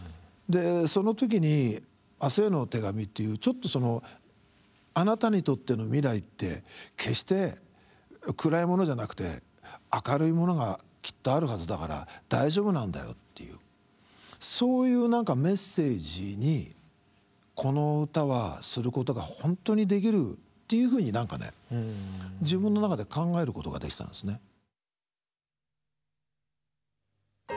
でその時に「明日への手紙」っていうちょっとそのあなたにとっての未来って決して暗いものじゃなくて明るいものがきっとあるはずだから大丈夫なんだよっていうそういう何かメッセージにこの歌はすることが本当にできるっていうふうに何かね自分の中で考えることができたんですね。